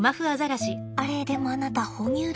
あれでもあなた哺乳類でしょ。